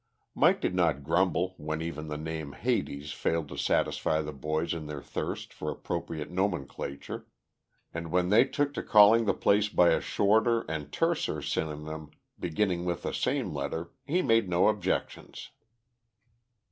Mike did not grumble when even the name "Hades" failed to satisfy the boys in their thirst for appropriate nomenclature, and when they took to calling the place by a shorter and terser synonym beginning with the same letter, he made no objections.